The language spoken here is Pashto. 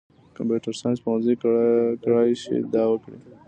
کمپیوټر ساینس پوهنځۍ کړای شي دا وکړي.